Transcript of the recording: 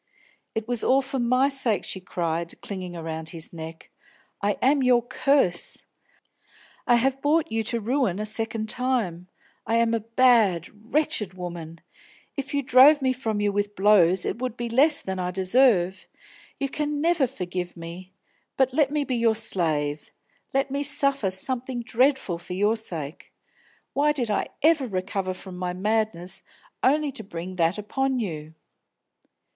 "It was all for my sake!" she cried, clinging around his neck. "I am your curse. I have brought you to ruin a second time. I am a bad, wretched woman; if you drove me from you with blows it would be less than I deserve! You can never forgive me; but let me be your slave, let me suffer something dreadful for your sake! Why did I ever recover from my madness, only to bring that upon you!"